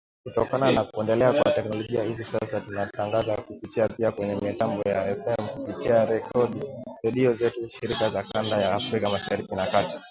Kutokana na kuendelea kwa teknolojia hivi sasa tunatangaza kupitia pia kwenye mitambo ya FM kupitia redio zetu shirika za kanda ya Afrika Mashariki na Kati